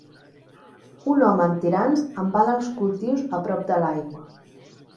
Un home amb tirants embala els cultius a prop de l'aigua.